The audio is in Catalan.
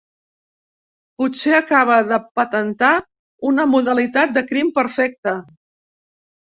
Potser acaba de patentar una modalitat de crim perfecte.